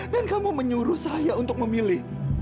dan kamu menyuruh saya untuk memilih